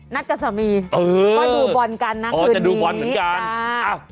นัดกับสามีมาดูบอลกันนะคืนนี้อ๋อจะดูบอลเหมือนกัน